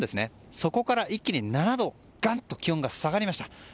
そこから一気に７度気温がガンと下がりました。